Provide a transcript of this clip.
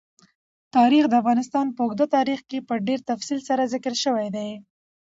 تاریخ د افغانستان په اوږده تاریخ کې په ډېر تفصیل سره ذکر شوی دی.